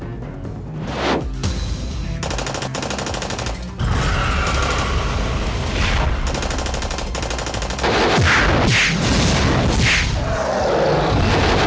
kalah kalau pasti menang